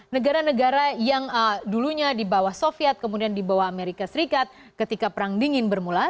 negara negara yang dulunya di bawah soviet kemudian di bawah amerika serikat ketika perang dingin bermula